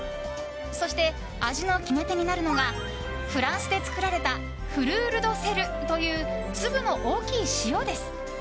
そして、味の決め手になるのがフランスで作られたフルール・ド・セルという粒の大きい塩です。